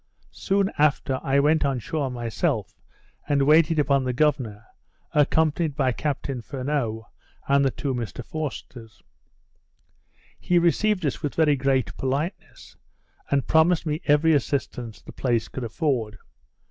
Soon after I went on shore myself, and waited upon the governor, accompanied by Captain Furneaux, and the two Mr Forsters. He received us, with very great politeness, and promised me every assistance the place could afford.